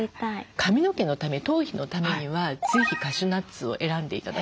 髪の毛のため頭皮のためにはぜひカシューナッツを選んで頂きたい。